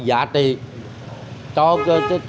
và giá trị cho người hòa sĩ này làm ra